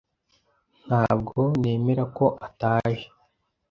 Ntabwo nemera ko ataje.